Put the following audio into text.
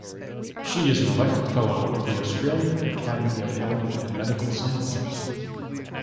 She is an elected Fellow of the Australian Academy of Health and Medical Sciences.